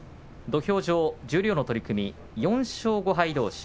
土俵上、十両の取組４勝５敗どうし